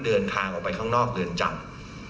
เดินทางออกไปข้างนอกเรือนจำ